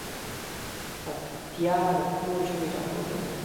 پکتیا د پښتو ژبی ټاټوبی دی.